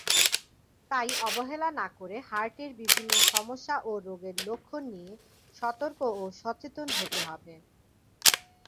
তাই অবহেলা না করে হার্টের বিভিন্ন সমস্যা ও রোগের লক্ষণ নিয়ে সতর্ক ও সচেতন হতে হবে।